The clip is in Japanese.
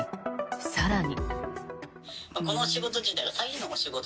更に。